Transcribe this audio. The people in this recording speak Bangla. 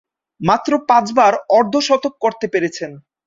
মাত্র পাঁচবার অর্ধ-শতক করতে পেরেছেন।